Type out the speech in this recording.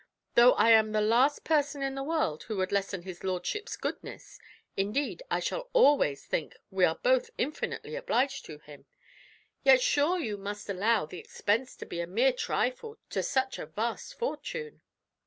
Though I am the last person in the world who would lessen his lordship's goodness (indeed I shall always think we are both infinitely obliged to him), yet sure you must allow the expense to be a mere trifle to such a vast fortune.